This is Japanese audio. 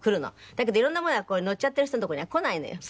だけどいろんなものがのっちゃってる人のとこにはこないのよ。